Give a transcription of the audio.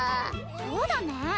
そうだね。